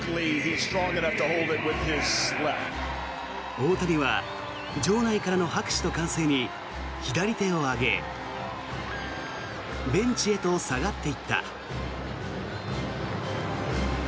大谷は場内からの拍手と歓声に左手を上げベンチへと下がっていった。